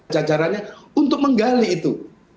jajarannya untuk menggali itu